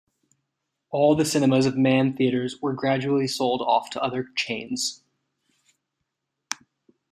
All the cinemas of Mann Theatres were gradually sold off to other chains.